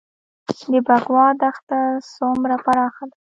د بکوا دښته څومره پراخه ده؟